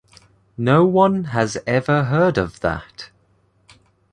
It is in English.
No one has ever heard of that.